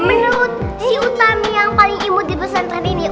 menurut si utami yang paling imut di busan tren ini